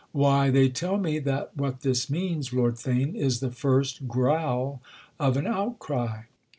"Why, they tell me that what this means, Lord Theign, is the first growl of an outcry!"